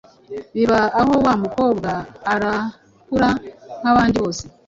Biba aho wa mukobwa arakura nk’abandi bose.